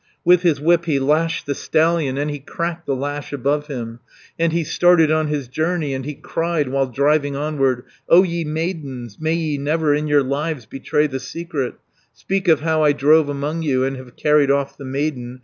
With his whip he lashed the stallion, And he cracked the lash above him, And he started on his journey, And he cried while driving onward: 210 "O ye maidens, may ye never In your lives betray the secret, Speak of how I drove among you. And have carried off the maiden.